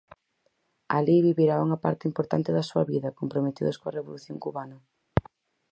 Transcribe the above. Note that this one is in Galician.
Alí vivirá unha parte importante da súa vida, comprometidos coa revolución cubana.